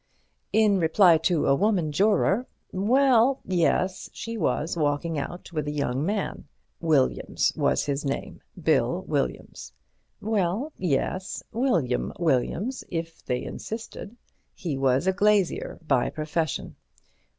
In reply to a woman juror—well, yes, she was walking out with a young man. Williams was his name, Bill Williams—well, yes, William Williams, if they insisted. He was a glazier by profession.